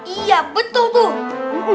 iya betul tuh